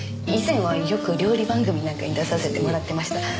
以前はよく料理番組なんかに出させてもらってました。